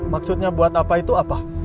maksudnya buat apa itu apa